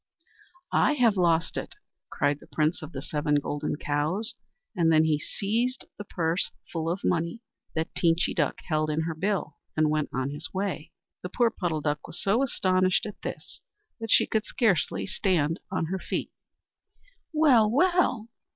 "I have lost it," cried the Prince of the Seven Golden Cows, and then he seized the purse full of money that Teenchy Duck held in her bill, and went on his way. The poor Puddle Duck was so astonished at this that she could scarcely stand on her feet. "Well, well!"